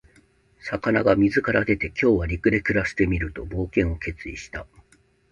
魚が水から出て、「今日は陸で暮らしてみる」と冒険を決意した。